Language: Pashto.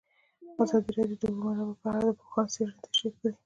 ازادي راډیو د د اوبو منابع په اړه د پوهانو څېړنې تشریح کړې.